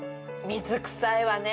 水くさいわね